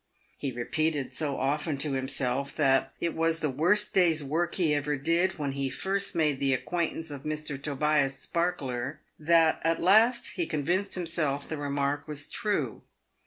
He repeated so often to himself that " it was the worst day's work he ever did when he first made the acquaintance of Mr. Tobias Sparkler," that at last he convinced him self the remark was true.